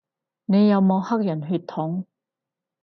你有冇黑人血統